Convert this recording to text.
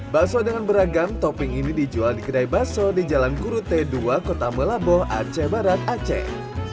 bakso dengan beragam topping ini dijual di kedai bakso di jalan kurute dua kota melaboh aceh barat aceh